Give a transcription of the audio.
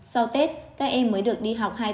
sau tết các em mới được đi học hai nghìn